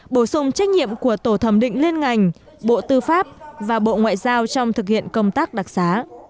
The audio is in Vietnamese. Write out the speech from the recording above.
bổ sung trách nhiệm của tổ thẩm định liên ngành bộ tư pháp và bộ ngoại giao trong thực hiện công tác đặc xá